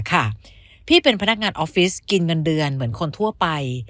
พี่เป็นพนักงานออฟฟิศกินเงินเดือนเหมือนคนทั่วไป